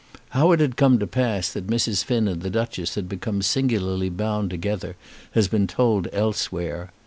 How it had come to pass that Mrs. Finn and the Duchess had become singularly bound together has been told elsewhere.